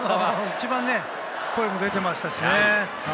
一番、声も出ていましたしね。